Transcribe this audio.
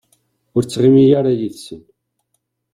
Ur ttɣimi ara yid-sen.